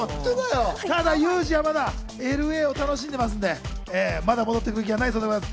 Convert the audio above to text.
ただ祐二はまだＬＡを楽しんでますんで、まだ戻ってくる気はないそうです。